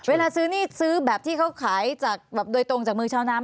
เวลาซื้อนี่ซื้อแบบที่เขาขายจากโดยตรงจากมือชาวนา